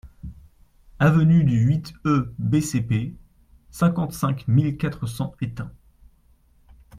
Avenue du huit e B.C.P., cinquante-cinq mille quatre cents Étain